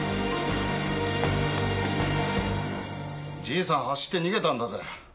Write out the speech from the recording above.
ジイさん走って逃げたんだぜ。